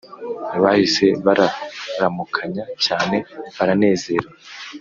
Bahise Bararamukanya cyane baranezerwa.